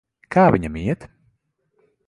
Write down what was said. Kā viņam iet?